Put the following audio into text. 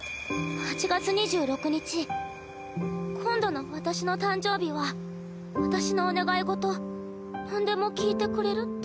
８月２６日今度の私の誕生日は私のお願い事なんでも聞いてくれるって。